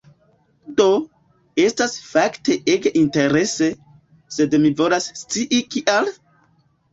Do, estas fakte ege interese, sed mi volas scii kial?